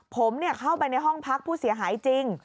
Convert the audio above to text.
ผมเข้าไปในห้องพักผู้เสียหายจริง